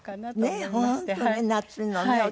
ねえ本当に夏のねお着物。